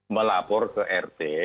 melapor ke rt